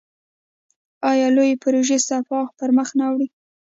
آیا لویې پروژې سپاه پرمخ نه وړي؟